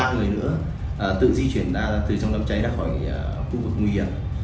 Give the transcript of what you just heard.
ba người nữa tự di chuyển ra từ trong đâm cháy ra khỏi khu vực nguy hiểm